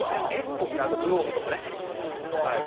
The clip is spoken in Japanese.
あとグローブとかね。